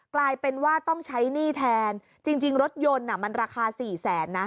กลายเป็นว่าต้องใช้หนี้แทนจริงรถยนต์มันราคาสี่แสนนะ